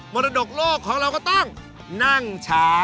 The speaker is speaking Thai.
รดกโลกของเราก็ต้องนั่งช้า